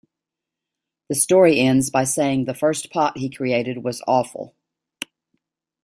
The story ends by saying the first pot he created was 'awful.